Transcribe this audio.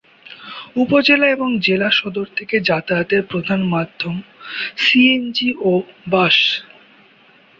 উপজেলা এবং জেলা সদর থেকে যাতায়াতের প্রধান মাধ্যম 'সিএনজি ও বাস'।